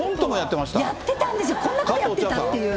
やってたんですよ、こんなことやってたという。